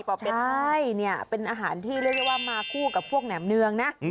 ใช่เนี่ยเป็นอาหารที่เรียกได้ว่ามาคู่กับพวกแหนมเนืองนะ